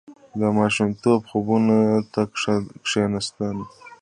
• د ماشومتوب خوبونو ته کښېنه.